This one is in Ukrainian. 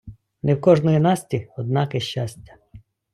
Не в кождої Насті однаке щастя.